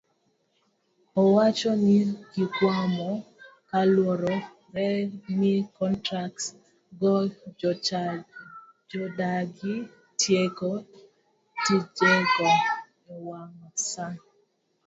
Owacho ni gikwamo kaluwore ni kontraktas go jodagi tieko tijego ewang' saa